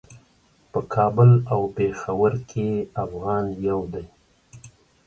په کابل او پیښور کې افغان یو دی.